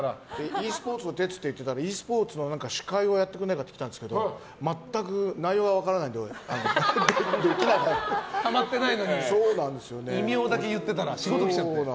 ｅスポーツのテツって言ってたらｅスポーツの司会をやってくれないかって来たんですけど全く内容が分からないんでハマってないのに異名だけ言ってたら仕事来ちゃって。